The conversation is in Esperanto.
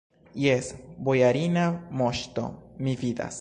Jes, bojarina moŝto, mi vidas.